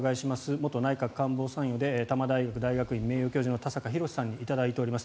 元内閣官房参与で多摩大学大学院名誉教授の田坂広志さんに頂いております。